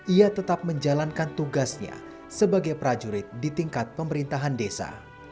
ia tetap menjalankan tugasnya sebagai prajurit di tingkat pemerintahan desa